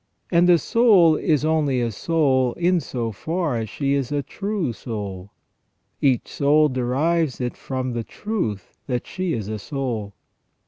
And a soul is only a soul in so far as she is a true soul. Each soul derives it from the truth that she is a soul.